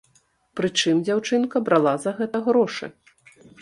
Прычым дзяўчынка брала за гэта грошы.